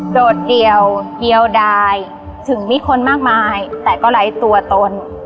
โดดเดี่ยวเยียวดายถึงมีคนมากมายแต่ก็ไร้ตัวตน